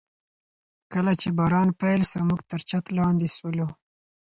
کله چي باران پیل سو، موږ تر چت لاندي سولو.